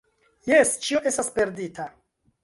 Jes, ĉio estas perdita.